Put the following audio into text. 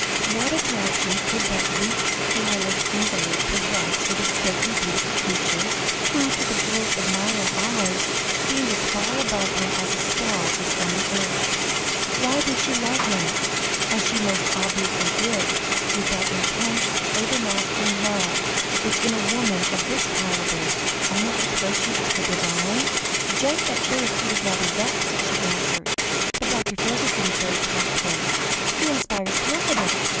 What attraction could that weak, querulous invalid possess for this stately, beautiful creature, who, to the girl's admiring eyes, seemed as far above him as a star is far from the earth. Why did she love him, as she most obviously did, with that intense, overmastering love which in a woman of this calibre almost approaches to the divine? "Just at first he was rather vexed," she answered, "but Dr. Fergusson is very tactful; he inspires confidence.